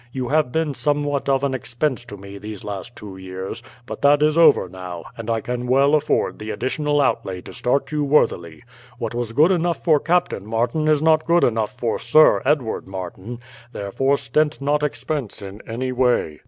You have been somewhat of an expense to me these last two years; but that is over now, and I can well afford the additional outlay to start you worthily. What was good enough for Captain Martin is not good enough for Sir Edward Martin; therefore stint not expense in any way.